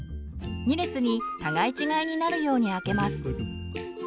２列に互い違いになるように開けます。